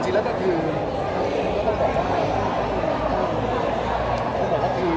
จริงแล้วก็คือเราต้องบอกเป็นอะไรนะ